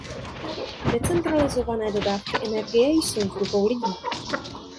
Decentralizované dodávky energie jsou v rukou lidí.